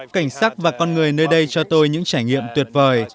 cảnh sắc và con người nơi đây cho tôi những trải nghiệm tuyệt vời